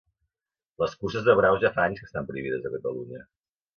Les curses de braus ja fa anys que estan prohibides a Catalunya.